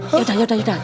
yaudah yaudah yaudah